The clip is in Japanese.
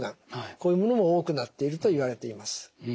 こういうものも多くなっていると言われています。